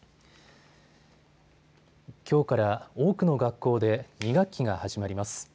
きょうから多くの学校で２学期が始まります。